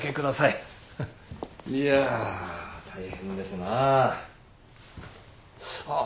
いや大変ですなあ。